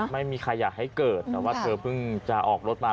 ไม่มีใครอยากให้เกิดแต่ว่าเธอเพิ่งจะออกรถมา